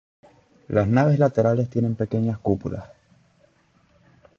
Las naves laterales tienen pequeñas cúpulas.